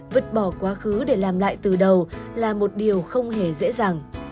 vứt bỏ quá khứ để làm lại từ đầu là một điều không hề dễ dàng